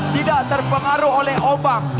tidak terpengaruh oleh ombak